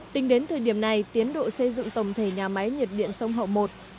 tính đến thời điểm này tiến độ xây dựng tổng thể nhà máy nhiệt điện sông hậu i